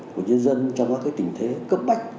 của nhân dân trong các tình thế cấp bách